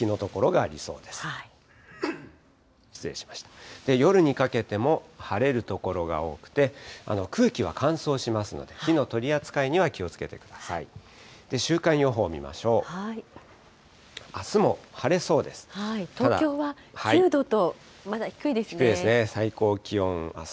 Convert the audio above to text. あすも晴れそうです。